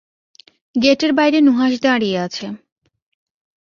গেটের বাইরে নুহাশ দাঁড়িয়ে আছে।